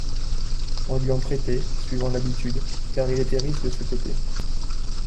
On lui en prêtait, suivant l’habitude, car il était riche de ce côté.